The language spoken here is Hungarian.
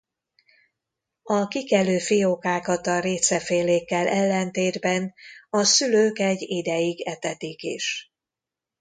A kikelő fiókákat a récefélékkel ellentétben a szülők egy ideig etetik is.